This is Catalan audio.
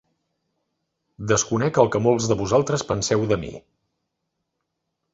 Desconec el que molts de vosaltres penseu de mi.